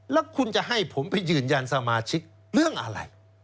แล้วคุณจะให้ผมไปยืนยันสมาชิกเรื่องอะไร